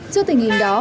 trước tình hình đó